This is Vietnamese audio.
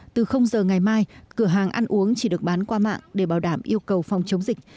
từ giờ ngày mai cửa hàng ăn uống chỉ được bán qua mạng để bảo đảm yêu cầu phòng chống dịch